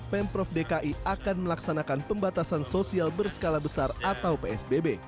pemprov dki akan melaksanakan pembatasan sosial berskala besar atau psbb